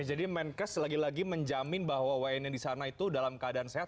oke jadi menkes lagi lagi menjamin bahwa wn yang disana itu dalam keadaan sehat